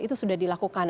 itu sudah dilakukan